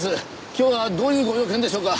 今日はどういうご用件でしょうか？